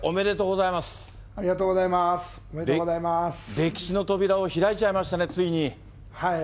歴史の扉を開いちゃいましたね、ついに。